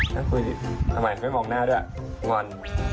แล้วคุยทำไมไม่มองหน้าด้วยงอน